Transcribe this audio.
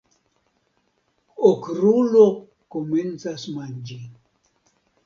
Okrulo komencas manĝi.